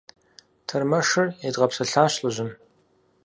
Тэрмэшыр едгъэпсэлъащ лӀыжьым.